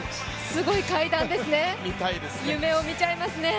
すごい階段ですね、夢をみちゃいますね。